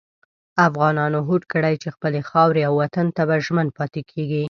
افغانانو هوډ کړی چې خپلې خاورې او وطن ته به ژمن پاتې کېږي.